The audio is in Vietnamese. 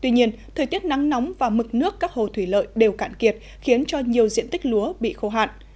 tuy nhiên thời tiết nắng nóng và mực nước các hồ thủy lợi đều cạn kiệt khiến cho nhiều diện tích lúa bị khô hạn